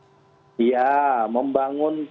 ya membangun ikn ini itu membangun peradaban